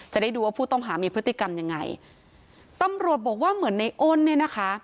จะได้ดูว่าผู้ต้องหามีพฤติกรรมยังไงตำรวจบอกว่าเหมือนในอ้นเนี่ยนะคะ